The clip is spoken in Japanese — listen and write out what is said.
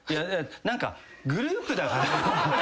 何かグループだから。